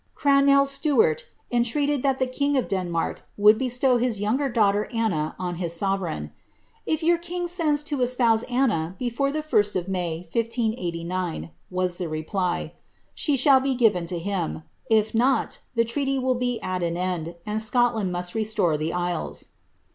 Croicnel Stuarl entreated ihai the kinetf Denmark would beslow his younger daughter Anno on his soTereJgs. " If your king sends to espouse Anna before the 1st of May, 1581t." «a * die reply, " she shall be given to him ; if not, the ireatv will be at 3n end, and Scotland must restore the isles."